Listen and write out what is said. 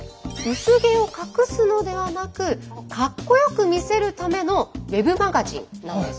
薄毛を隠すのではなくかっこよく見せるためのウェブマガジンなんです。